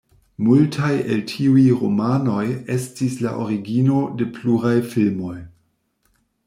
Multaj el tiuj romanoj estis la origino de pluraj filmoj.